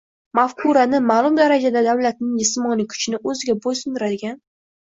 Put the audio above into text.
Mafkurani ma’lum darajada davlatning jismoniy kuchini o‘ziga bo‘ysundiradigan